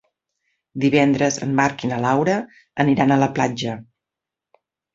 Divendres en Marc i na Laura aniran a la platja.